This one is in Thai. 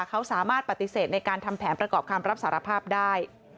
เขาสามารถปฏิเสธในการทำแผนประกอบคำรับสารภาพได้